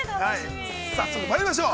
◆早速まいりましょう。